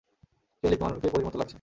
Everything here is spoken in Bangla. কেলি, তোমাকে পরীর মত লাগছে।